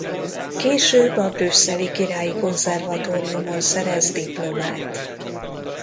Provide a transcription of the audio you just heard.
Később a brüsszeli Királyi Konzervatóriumon szerez diplomát.